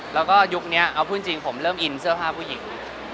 แล้วก็ยุคนี้เอาพูดจริงผมเริ่มอินเสื้อผ้าผู้หญิง